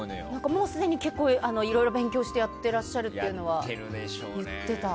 もうすでに結構いろいろ勉強してやってらっしゃるっていうのは言ってた。